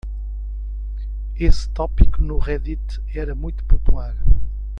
Esse tópico no Reddit era muito popular.